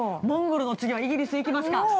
モンゴルの次はイギリス行きますか。